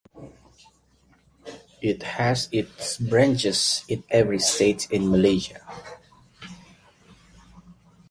It has its branches in every state in Malaysia.